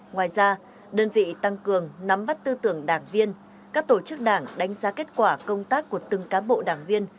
ngoài ra đơn vị tăng cường nắm bắt tư tưởng đảng viên các tổ chức đảng đánh giá kết quả công tác của từng cá bộ đảng viên